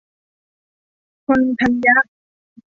ผลธัญญะ